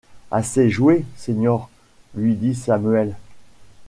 Assez joué, señor, lui dit Samuel.